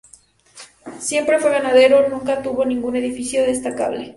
Siempre fue ganadero y nunca tuvo ningún edificio destacable.